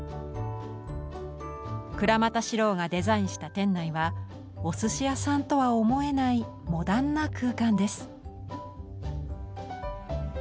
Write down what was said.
倉俣史朗がデザインした店内はお寿司屋さんとは思えないモダンな空間です。